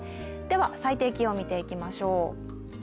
最低気温を見ていきましょう。